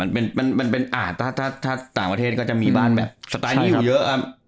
มันเป็นอาจถ้าต่างประเทศก็จะมีบ้านแบบสไตล์นี้อยู่เยอะครับ